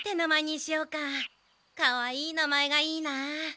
かわいい名前がいいなあ。